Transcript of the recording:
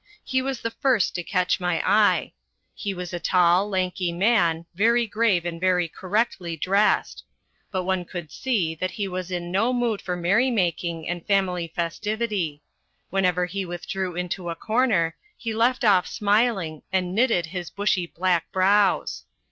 He was the first to catch my eye. He was a tall, lanky man, very grave and very correctly dressed. But one could see that he was in no mood for merrymaking and family festivity; whenever he withdrew into a corner he left off smiling and knitted his bushy black brows.